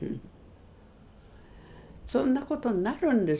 そんな事になるんですよ